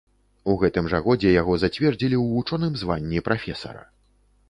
У гэтым жа годзе яго зацвердзілі ў вучоным званні прафесара.